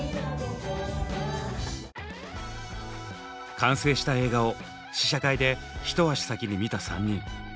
完成した映画を試写会で一足先に見た３人。